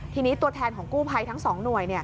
ทีนี้ตัวแทนของกู้ภัยทั้ง๒หน่วย